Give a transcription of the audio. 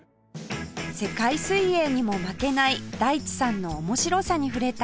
世界水泳にも負けない大地さんの面白さに触れた純ちゃん